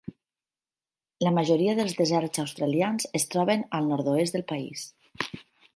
La majoria dels deserts australians es troben al nord-oest del país.